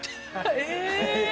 え